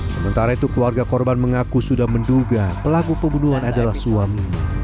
sementara itu keluarga korban mengaku sudah menduga pelaku pembunuhan adalah suaminya